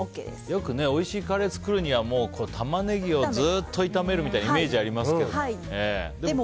よくおいしいカレー作るにはタマネギをずっと炒めるみたいなイメージがありますけども。